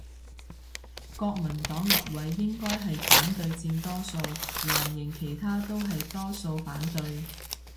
國民黨立委應該係反對佔多數，藍營其他都係多數反對